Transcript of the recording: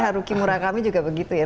haruki murakami juga begitu ya